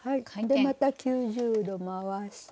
でまた９０度回して。